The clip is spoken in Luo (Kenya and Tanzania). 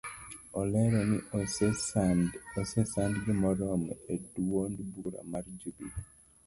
Olero ni ose sandgi moromo eduond bura mar jubilee